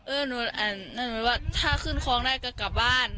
เออนั่นหมดว่าถ้าขึ้นคลองได้ก็กลับบ้าน